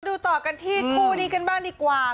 ดูต่อกันที่คู่นี้กันบ้างดีกว่า